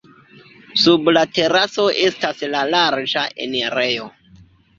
Sub la teraso estas la larĝa enirejo.